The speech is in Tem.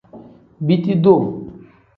Biti duu.